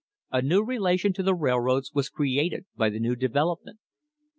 A new relation to the railroads was created by the new development.